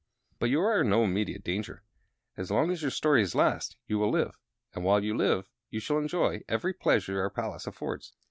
But you are in no immediate danger. As long as your stories last you will live; and while you live you shall enjoy every pleasure our palace affords."